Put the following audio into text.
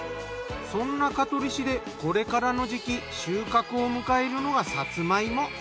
そんな香取市でこれからの時期収穫を迎えるのがさつま芋。